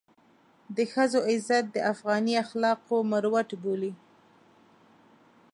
د ښځو عزت د افغاني اخلاقو مروت بولي.